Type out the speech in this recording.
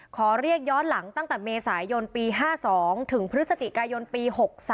ขอเรียกย้อนหลังตั้งแต่เมษายนปี๕๒ถึงพฤศจิกายนปี๖๓